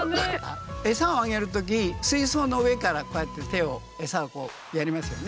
エサをあげる時水そうの上からこうやって手をエサをこうやりますよね。